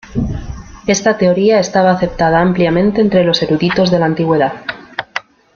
Esta teoría estaba aceptada ampliamente entre los eruditos de la antigüedad.